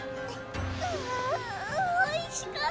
ううおいしかった。